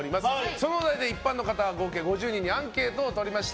そのお題で一般の方合計５０人にアンケートをとりました。